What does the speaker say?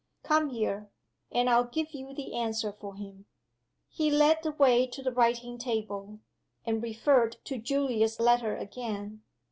"Come here, and I'll give you the answer for him." He led the way to the writing table, and referred to Julius's letter again.